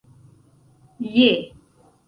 je